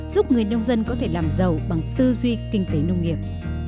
giúp người nông dân có thể làm giàu bằng tư duy kinh tế nông nghiệp